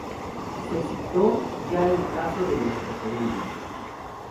Se citó ya el caso de los cocodrilos.